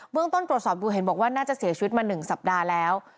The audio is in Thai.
เมื่อต้นปรดสอบดูเห็นบอกว่าน่าจะเสียชีวิตมาหนึ่งสัปดาห์แล้ว